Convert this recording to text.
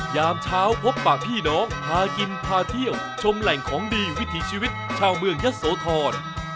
ยามเช้าพบปากพี่น้องพากินพาเที่ยวชมแหล่งของดีวิถีชีวิตชาวเมืองยะโสธร